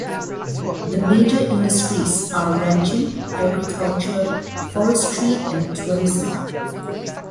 The major industries are ranching, agriculture, forestry, and tourism.